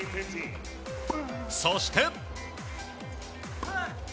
そして。